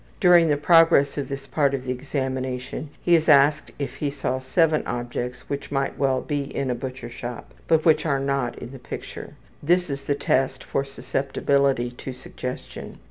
During the progress of this part of the examination he is asked if he saw 7 objects which might well be in a butcher shop, but which are not in the picture. This is the test for susceptibility to suggestion.